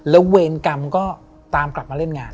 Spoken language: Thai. แล้วเวรกรรมก็ตามกลับมาเล่นงาน